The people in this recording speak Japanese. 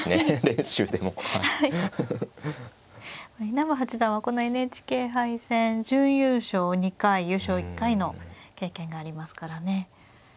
稲葉八段はこのＮＨＫ杯戦準優勝２回優勝１回の経験がありますからね。